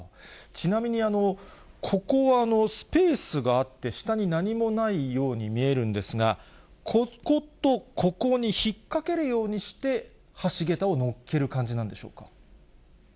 ちなみに、ここはスペースがあって下に何もないように見えるんですが、こことここに引っ掛けるようにして、橋桁をのっける感じなんでしょうか。